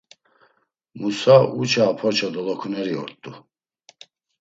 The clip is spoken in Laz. Musa, uça a porça dolonkuneri ort̆u.